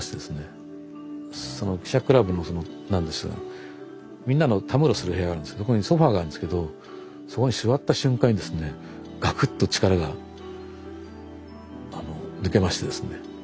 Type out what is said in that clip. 記者クラブのそのみんなのたむろする部屋があるんですけどそこにソファーがあるんですけどそこに座った瞬間にですねガクッと力が抜けましてですね。